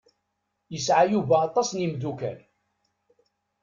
Yesɛa Yuba aṭas n yimeddukal.